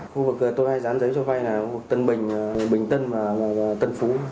khu vực tôi dán giấy cho vai là tân bình bình tân và tân phú